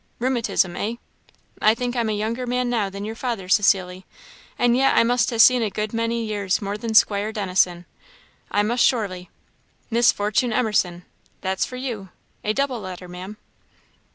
rheumatism, eh? I think I'm a younger man now than your father, Cecilly; and yet I must ha' seen a good many years more than Squire Dennison; I must, surely. 'Miss Fortune Emerson' that's for you; a double letter, Maam."